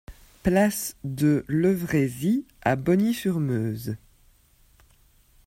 Place de Levrézy à Bogny-sur-Meuse